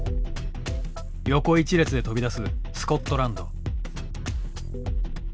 横一列で飛び出すスコットランド。